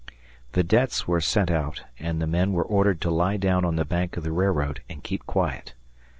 Videttes were sent out, and the men were ordered to lie down on the bank of the railroad and keep quiet.